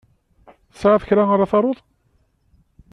Tesɛiḍ kra ara taruḍ?